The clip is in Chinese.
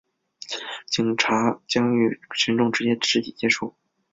警察将与群众直接肢体接触